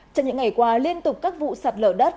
trong những ngày qua liên tục các vụ sạt lở đất